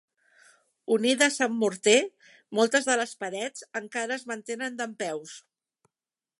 Unides amb morter, moltes de les parets encara es mantenen dempeus.